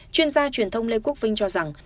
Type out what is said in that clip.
chuyên gia truyền thông lê quốc vinh cho rằng